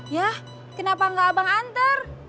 yah kenapa gak abang antar